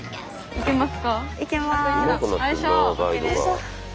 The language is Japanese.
いけます。